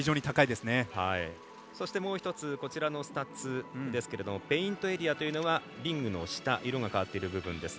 そしてもう１つこちらのスタッツですけどペイントエリアというのがリングの下色が変わっている部分です。